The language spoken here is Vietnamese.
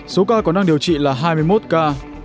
số ca có năng điều trị là hai mươi một ca